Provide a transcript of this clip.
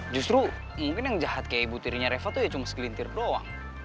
justru mungkin yang jahat kayak ibu tirinya reva tuh ya cuma segelintir doang